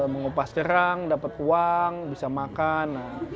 mengupas kerang dapat uang bisa makan